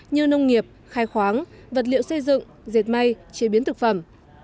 như nông nghiệp khai khoáng vật liệu xây dựng dệt may chế biến thực phẩm